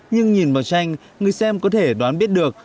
nhưng nhìn vào tranh người xem có thể đoán biết được